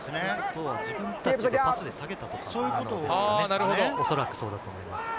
自分たちでパスで下げたとかですかね、おそらくそうだと思います。